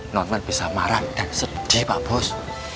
non amel bisa marah dan sedih pak bos